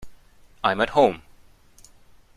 I'm at home.